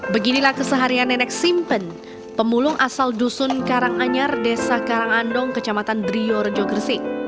beginilah keseharian nenek simpen pemulung asal dusun karanganyar desa karangandong kecamatan drio rejo gresik